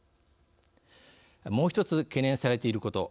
もう１つ、懸念されていること。